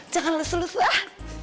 jangan lus lus ah